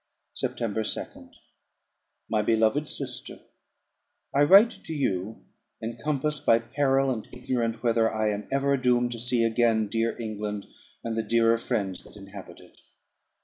September 2d. My beloved Sister, I write to you, encompassed by peril, and ignorant whether I am ever doomed to see again dear England, and the dearer friends that inhabit it.